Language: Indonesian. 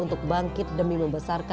untuk menikah tidak berdarah dari nama dirinya